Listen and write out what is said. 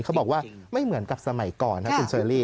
เขาบอกว่าไม่เหมือนกับสมัยก่อนนะคุณเชอรี่